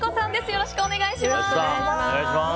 よろしくお願いします。